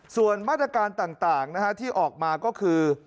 ส่วนมาตรการต่างที่ออกมาก็คือ